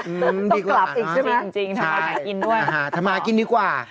อืมต้องกลับอีกใช่ไหมจริงจริงถ้ามาหากินด้วยถ้ามากินนี่กว่า